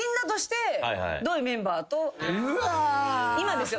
今ですよ。